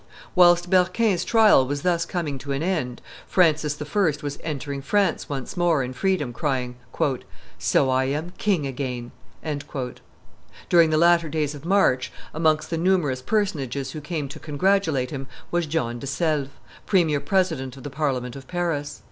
Whilst Berquin's trial was thus coming to an end, Francis I. was entering France once more in freedom, crying, "So I am king again!" During the latter days of March, amongst the numerous personages who came to congratulate him was John de Selve, premier president of the Parliament of Paris.